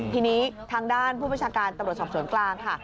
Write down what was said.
ทีนี้ทางด้านผู้ประชาการตำรวจสอบสวนกลางค่ะ